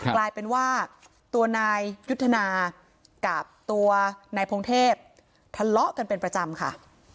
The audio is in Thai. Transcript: กลายเป็นว่าตัวนายยุทธนากับตัวนายพงเทพทะเลาะกันเป็นประจำค่ะ